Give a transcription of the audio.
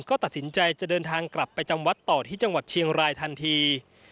ก็ตัดสินใจจะเดินทางกลับไปจำวัดต่อที่จังหวัดเชียงรายทันที